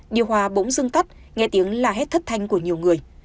điều hòa bỗng dưng tắt nghe tiếng la hét thất thanh của nhiều người